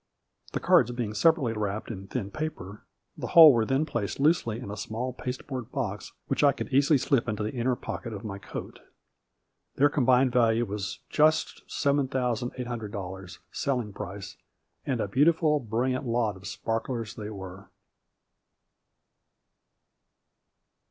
The cards being separately wrapped in thin paper, the whole were then placed loosely in a small pasteboard box which I could easily slip into the inner pocket of my coat. Their combined value was just $7,800, selling price, and a beautiful, brilliant lot of sparklers they were.